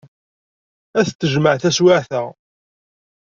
Ad t-tejmeɛ taswiɛt-a.